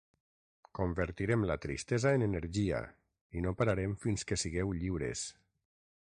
Convertirem la tristesa en energia i no pararem fins que sigueu lliures.